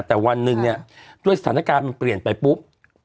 แต่วันหนึ่งเนี่ยด้วยสถานการณ์มันเปลี่ยนไปปุ๊บ